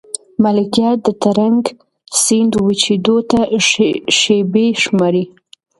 ملکیار د ترنک سیند وچېدو ته شېبې شماري.